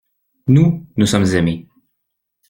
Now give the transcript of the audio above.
Nous, nous sommes aimés.